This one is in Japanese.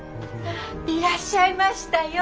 いらっしゃいましたよ。